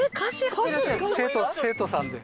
生徒さんで。